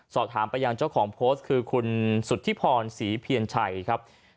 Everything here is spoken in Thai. สอบถามไปยังเจ้าของโพสต์คือคุณสุธิพรศรีเพียรชัยครับ